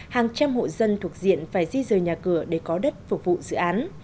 hàng trăm hộ dân thuộc diện phải di rời nhà cửa để có đất phục vụ dự án